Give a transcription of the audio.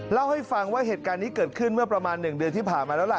เล่าให้ฟังว่าเหตุการณ์นี้เกิดขึ้นเมื่อประมาณ๑เดือนที่ผ่านมาแล้วล่ะ